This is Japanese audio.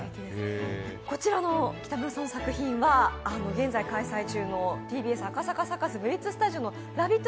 こちらの北村さんの作品は現在開催中のＴＢＳ赤坂サカスＢＬＩＴＺスタジオで開催されているラヴィット！